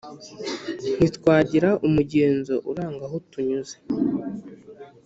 ntitwagira umugenzo uranga aho tunyuze,